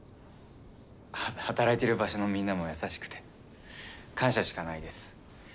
働いてる場所のみんなも優しくて感謝しかないです。